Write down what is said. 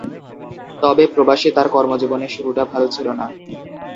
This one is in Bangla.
তবে প্রবাসে তার কর্মজীবনের শুরুটা ভালো ছিল না।